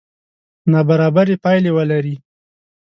نابرابرې پایلې ولري.